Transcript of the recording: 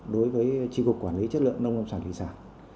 đối với tri cục quản lý chất lượng nông lâm sản và thủy sản